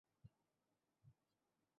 Sorry, রে।